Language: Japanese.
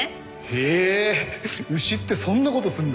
へえ牛ってそんなことするんだ。